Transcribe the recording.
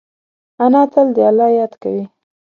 انا تل د الله یاد کوي